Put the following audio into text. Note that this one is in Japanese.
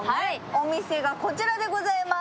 お店がこちらでございます。